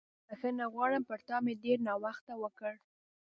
بښنه غواړم، پر تا مې ډېر ناوخته وکړ.